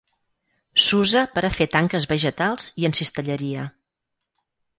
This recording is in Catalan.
S'usa per a fer tanques vegetals i en cistelleria.